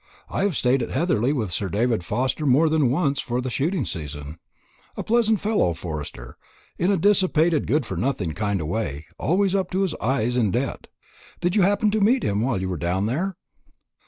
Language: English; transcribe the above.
I have stayed at Heatherly with Sir David Forster more than once for the shooting season. A pleasant fellow Forster, in a dissipated good for nothing kind of way, always up to his eyes in debt. Did you happen to meet him while you were down there?"